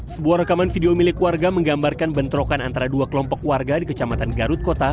sebuah rekaman video milik warga menggambarkan bentrokan antara dua kelompok warga di kecamatan garut kota